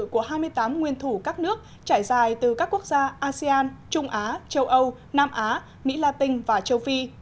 của hai mươi tám nguyên thủ các nước trải dài từ các quốc gia asean trung á châu âu nam á mỹ la tinh và châu phi